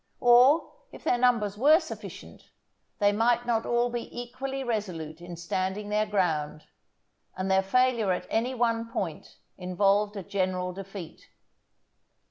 Or if their numbers were sufficient, they might not all be equally resolute in standing their ground, and their failure at any one point involved a general defeat.